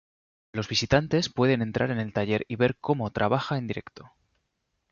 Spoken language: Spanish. Los visitantes pueden entrar en el taller y ver cómo trabaja en directo.